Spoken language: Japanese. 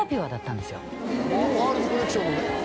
ガールズコレクションのね